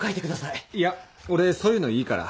いや俺そういうのいいから。